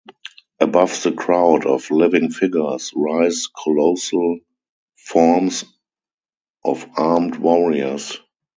Above the crowd of living figures rise colossal forms of armed warriors